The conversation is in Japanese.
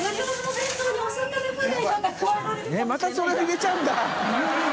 泙それを入れちゃうんだ！